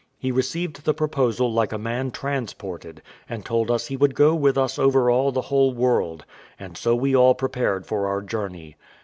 He received the proposal like a man transported, and told us he would go with us over all the whole world; and so we all prepared for our journey.